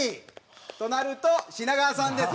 となると品川さんです。